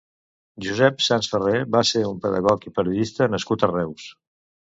Josep Sans Ferré va ser un pedagog i periodista nascut a Reus.